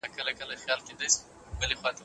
زوی زياته کړه چي ماهر ډېر لوړ قيمت ووايه.